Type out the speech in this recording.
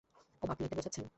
ওহ, আপনি এটা বোঝাচ্ছেন?